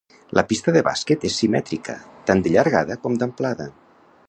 La pista de bàsquet és simètrica tant de llargada com d'amplada.